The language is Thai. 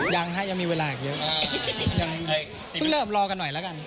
ยังฮะยังมีเวลาอีกเยอะยังเพิ่งเริ่มรอกันหน่อยแล้วกัน